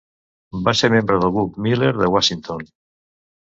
Va ser membre del Grup Miller de Washington.